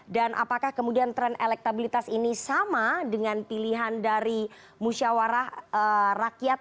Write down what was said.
dan apakah kemudian tren elektabilitas ini sama dengan pilihan dari musyawarah rakyat